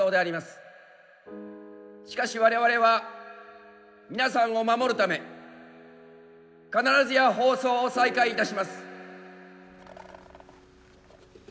しかし我々は皆さんを守るため必ずや放送を再開いたします。